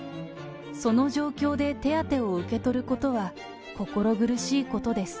その状況で手当を受け取ることは心苦しいことです。